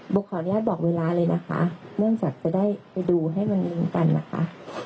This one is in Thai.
ขออนุญาตบอกเวลาเลยนะคะเนื่องจากจะได้ไปดูให้มันเหมือนกันนะคะ